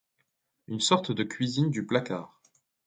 Une sorte de cuisine du placard.